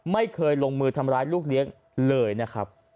ไม่เคยลงมือทำร้ายลูกเลี้ยงเลยนะครับ